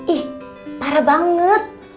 ih parah banget